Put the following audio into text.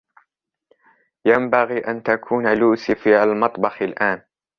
ينبغي أن تكون لوسي في المطبخ الآن.